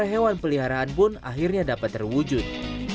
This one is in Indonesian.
dan memelihara hewan peliharaan pun akhirnya dapat terwujud